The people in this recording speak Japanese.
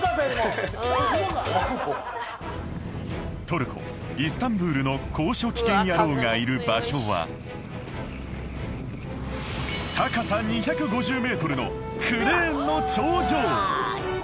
トルコイスタンブールの高所危険ヤロウがいる場所は高さ２５０ｍのクレーンの頂上！